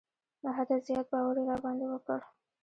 له حده زیات باور یې را باندې وکړ.